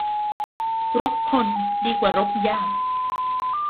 รกคนดีกว่ารกหญ้า